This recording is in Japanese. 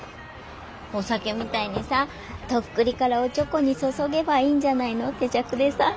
お酒みたいにさとっくりからおちょこに注げばいいんじゃないの手酌でさ。